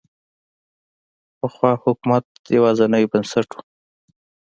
پخوا حکومت یوازینی بنسټ و.